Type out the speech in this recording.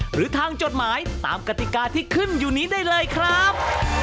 หรือทางจดหมายตามกติกาที่ขึ้นอยู่นี้ได้เลยครับ